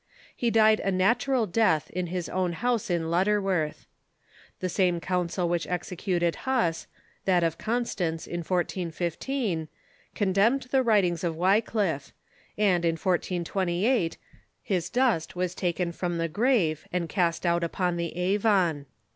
He died a natural death in his own house in Lutterworth, The same council which exe cuted Huss, that of Constance, in 1415, condemned the writings of Wycliffe, and in 142S his dust was taken from the grave and cast out upon the Avon.